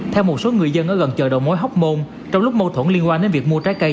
theo một số người dân ở gần chợ đầu mối hóc môn trong lúc mâu thuẫn liên quan đến việc mua trái cây